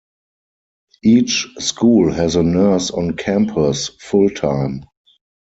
Each school has a nurse on campus full-time.